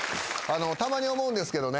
たまに思うんですけどね。